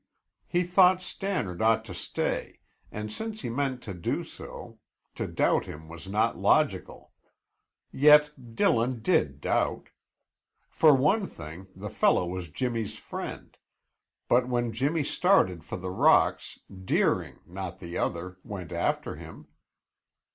He thought Stannard ought to stay, and since he meant to do so, to doubt him was not logical; yet Dillon did doubt. For one thing, the fellow was Jimmy's friend, but when Jimmy started for the rocks Deering, not the other, went after him.